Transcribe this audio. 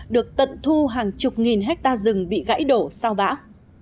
được tận thu hàng chục nghìn hectare rừng bị gãy đổ sau bão